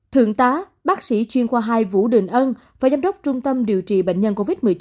thượng tá bác sĩ chuyên khoa hai vũ đình ân phó giám đốc trung tâm điều trị bệnh nhân covid một mươi chín